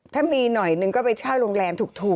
ถ้ามีหน่อยนึงก็ไปเช่าโรงแรมถูก